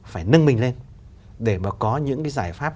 phải nâng mình lên để mà có những cái giải pháp